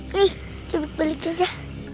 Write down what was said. nih coba belikan aja